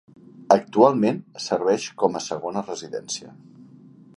Actualment serveix com a segona residència.